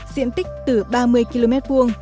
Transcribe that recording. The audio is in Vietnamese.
diện tích từ ba mươi km hai